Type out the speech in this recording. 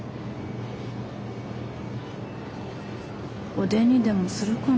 おでんにでもするかな。